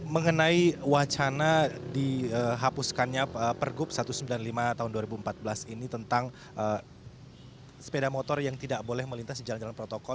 mengenai wacana dihapuskannya pergub satu ratus sembilan puluh lima tahun dua ribu empat belas ini tentang sepeda motor yang tidak boleh melintas di jalan jalan protokol